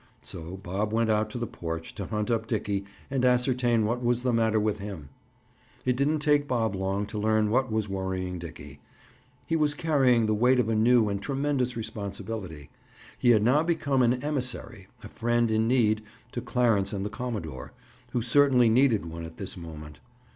So Bob went out to the porch, to hunt up Dickie and ascertain what was the matter with him? It didn't take Bob long to learn what was worrying Dickie. He was carrying the weight of a new and tremendous responsibility. He had now become an emissary, a friend in need, to Clarence and the commodore, who certainly needed one at this moment.